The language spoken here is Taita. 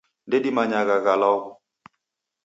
Ndedimanyagha gha law'u.